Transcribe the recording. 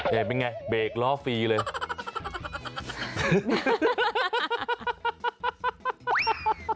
เป็นไงเบรกล้อฟรีเลย